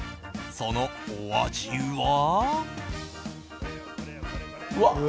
そのお味は？